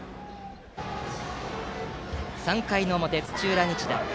３回の表、土浦日大。